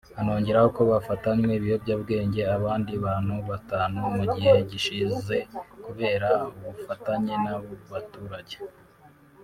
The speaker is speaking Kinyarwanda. anongeraho ko banafatanye ibiyobyabwenge abandi bantu batanu mu gihe gishize kubera ubufatanye n’abaturage